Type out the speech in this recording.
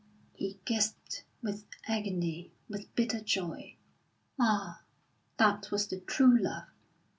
He gasped with agony, with bitter joy. Ah, that was the true love!